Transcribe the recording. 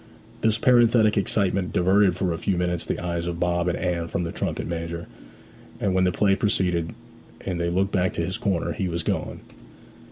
This parenthetic excitement diverted for a few minutes the eyes of Bob and Anne from the trumpet major; and when the play proceeded, and they looked back to his corner, he was gone.